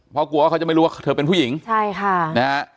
เพราะกลัวว่าเขาจะไม่รู้ว่าเธอเป็นผู้หญิงใช่ค่ะนะฮะ